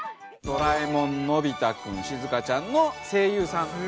ドラえもんのび太くんしずかちゃんの声優さん。